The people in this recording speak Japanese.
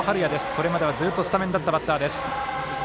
これまでは、ずっとスタメンだったメンバーです。